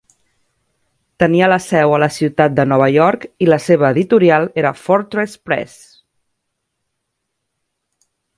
Tenia la seu a la ciutat de Nova York i la seva editorial era Fortress Press.